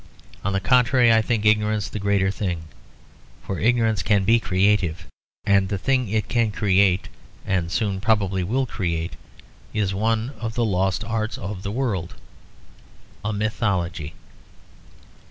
On the contrary, I think ignorance the greater thing; for ignorance can be creative. And the thing it can create, and soon probably will create, is one of the lost arts of the world; a mythology.